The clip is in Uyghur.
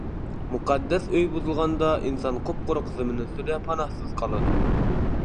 مۇقەددەس ئۆي بۇزۇلغاندا ئىنسان قۇپقۇرۇق زېمىن ئۈستىدە پاناھسىز قالىدۇ.